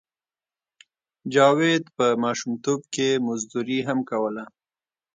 جاوید په ماشومتوب کې مزدوري هم کوله